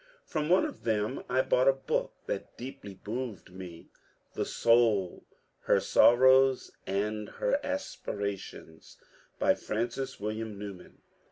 From one of them I bought a book that deeply moved me: ^^The Soul: her Sorrows and her Aspirations. By Francis William Newman."